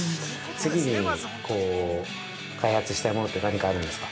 ◆次に開発したいものって何かあるんですか。